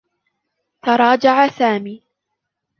تراجع سامي.